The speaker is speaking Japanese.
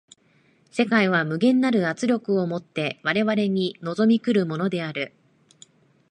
世界は無限なる圧力を以て我々に臨み来るものである。